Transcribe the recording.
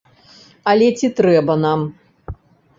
Але ці трэба нам?